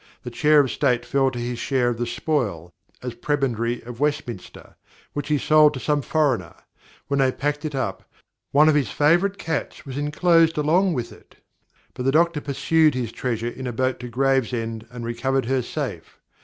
the Chair of State fell to his Share of the Spoil (as Prebendary of Westminster) which he sold to some Foreigner; when they packed it up, one of his favourite Cats was inclosed along with it; but the Doctor pursued his treasure in a boat to Gravesend and recovered her safe.